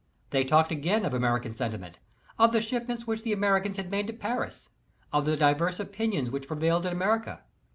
They talked again of American sentiment, of the shipments which the Amer icans had made to Paris, of the diverse opinions which prevailed in America.